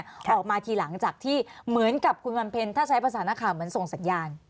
ออกมาทีหลังจากที่เหมือนกับคุณวันเพ็ญถ้าใช้ภาษานักข่าวเหมือนส่งสัญญาณ